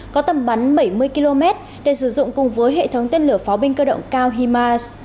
có tầm bắn bảy mươi km để sử dụng cùng với hệ thống tên lửa pháo binh cơ động cao himas